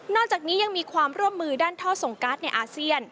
จากนี้ยังมีความร่วมมือด้านท่อส่งการ์ดในอาเซียน